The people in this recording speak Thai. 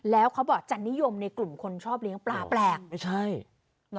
แล้วเขาบอกจะนิยมในกลุ่มคนชอบเลี้ยงปลาแปลก